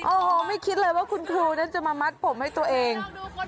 โอ้โหไม่คิดเลยว่าคุณครูนั้นจะมามัดผมให้ตัวเอง